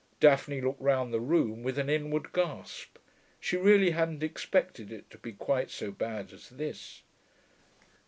Daphne looked round the room with an inward gasp: she really hadn't expected it to be quite so bad as this.